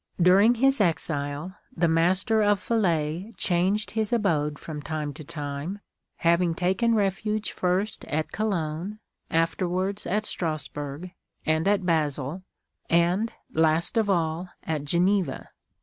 During his exile, the Master of Falais changed his abode from time to time, having taken refuge first at Cologne, afterwards at Strasburg, and at Basle, and, last of all, at Geneva.